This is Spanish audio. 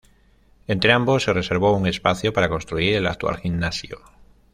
Entre ambos, se reservó un espacio para construir el actual gimnasio.